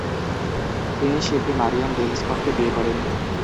তিনি শিল্পী Marian Dale স্কটকে বিয়ে করেন।